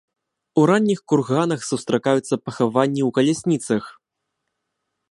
У ранніх курганах сустракаюцца пахаванні ў калясніцах.